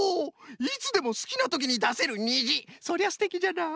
いつでもすきなときにだせるにじそれはすてきじゃな。